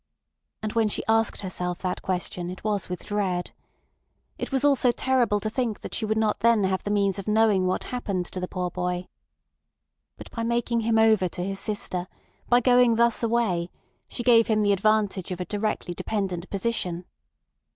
And when she asked herself that question it was with dread. It was also terrible to think that she would not then have the means of knowing what happened to the poor boy. But by making him over to his sister, by going thus away, she gave him the advantage of a directly dependent position.